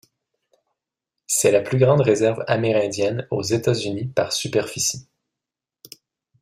C’est la plus grande réserve amérindienne aux États-Unis par superficie.